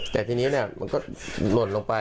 แต่ที่นี้เนี่ยมันก็หล่นลงไป